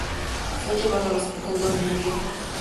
Fue llevado al hospital, donde murió.